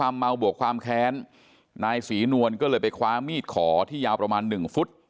เมาบวกความแค้นนายศรีนวลก็เลยไปคว้ามีดขอที่ยาวประมาณหนึ่งฟุต